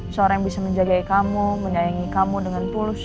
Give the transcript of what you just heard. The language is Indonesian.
seseorang yang bisa menjaga kamu menyayangi kamu dengan pulang